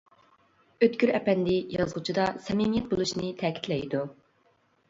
ئۆتكۈر ئەپەندى يازغۇچىدا سەمىمىيەت بولۇشىنى تەكىتلەيدۇ.